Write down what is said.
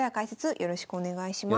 よろしくお願いします。